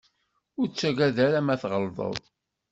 Ur ttaggad ara ma tɣelḍeḍ.